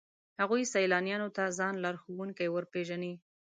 هغوی سیلانیانو ته ځان لارښوونکي ورپېژني.